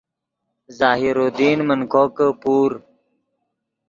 ظاہر الدین من کوکے پور